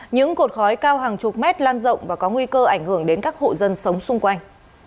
những cột khói cao hàng chục mét lan rộng và có nguy cơ ảnh hưởng đến các hộ dân sống xung quanh